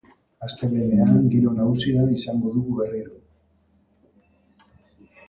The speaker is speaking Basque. Astelehenean giro nahasia izango dugu berriro.